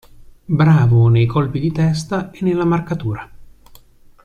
Bravo nei colpi di testa e nella marcatura.